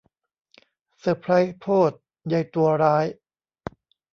เซอร์ไพรส์โพด ยัยตัวร้าย